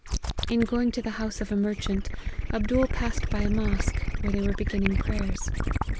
" In going to the house of a merchant, Abdool passed by a mosque, where they were beginning prayers.